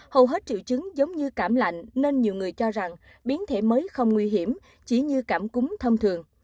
hầu hết triệu chứng giống như cảm lạnh nên nhiều người cho rằng biến thể mới không nguy hiểm chỉ như cảm cúm thông thường